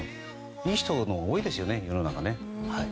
いい人多いですよね、世の中。